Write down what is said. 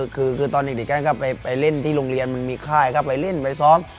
คือตอนเด็กนั้นก็ไปเล่นที่โรงเรียนมันมีค่ายก็ไปเล่นไปซ้อม